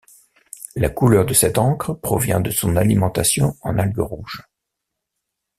La couleur de cette encre provient de son alimentation en algues rouges.